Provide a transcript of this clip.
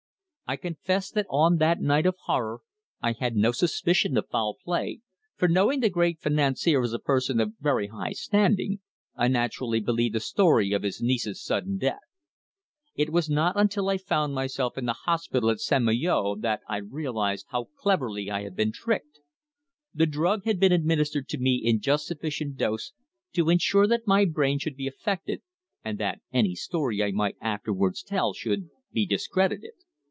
I confess that on that night of horror I had no suspicion of foul play, for knowing the great financier as a person of very high standing, I naturally believed the story of his niece's sudden death. It was not until I found myself in the hospital at St. Malo that I realized how cleverly I had been tricked. The drug had been administered to me in just sufficient dose to ensure that my brain should be affected, and that any story I might afterwards tell should be discredited.